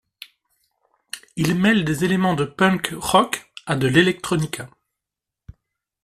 Ils mêlent des éléments de punk rock à de l'electronica.